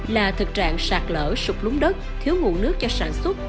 là thực trạng sạt lở sụp lúng đất thiếu nguồn nước cho sản xuất